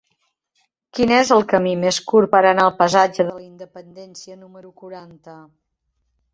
Quin és el camí més curt per anar al passatge de la Independència número quaranta?